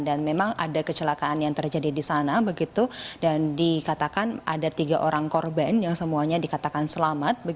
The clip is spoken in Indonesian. dan memang ada kecelakaan yang terjadi di sana dan dikatakan ada tiga orang korban yang semuanya dikatakan selamat